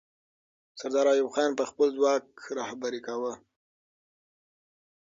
سردار ایوب خان به خپل ځواک رهبري کاوه.